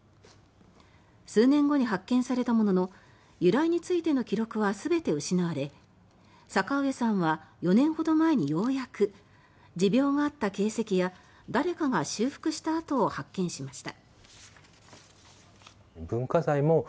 数年後に発見されたものの由来についての記録は全て失われ坂上さんは４年ほど前にようやく持病があった形跡や誰かが修復した痕を発見しました。